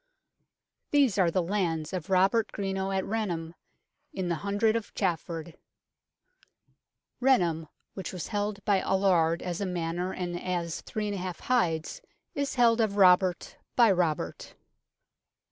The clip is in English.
These are the lands of Robert Greno at Rainham, in the Hundred of Chafford " Renaham, which was held by Aluard as a manor and as 3j hides, is held of R[obert] by Robert.